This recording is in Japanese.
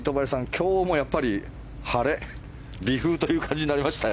今日もやっぱり晴れ微風という感じになりましたよ。